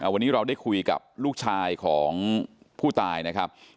วันนี้เราได้คุยกับลูกชายของผู้ตายนะครับ